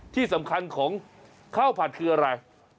ที่สำคัญของข้าวผัดคืออะไร